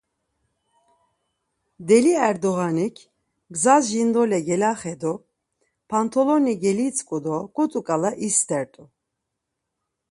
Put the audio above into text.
Deli Erdoğanik, gzas jindole gelaxedu, pontoli gelitzǩu do ǩut̆u ǩala istert̆u.